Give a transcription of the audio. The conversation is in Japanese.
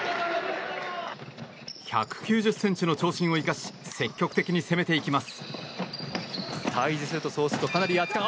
１９０ｃｍの長身を生かし積極的に攻めていきます。